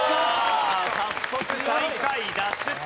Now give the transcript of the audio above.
早速最下位脱出。